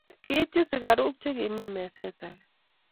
Kiityi sikaruk che kimi meset age